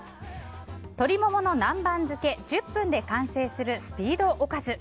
鶏モモの南蛮漬け１０分で完成するスピードおかず。